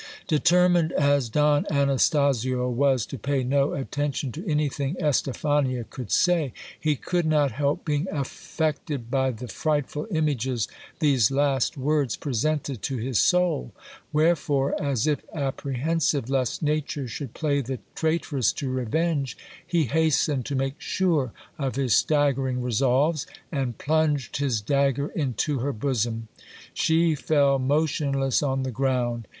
Determined as Don Anastasio was to pay no attention to anything Estephania could say, he could not help being affected by the frightful images these last words presented to his soul. Wherefore, as if apprehensive lest nature should play the traitress to revenge, he hastened to make sure of his staggering resolves, and plunged his dagger into her bosom. She fell motionless on the ground.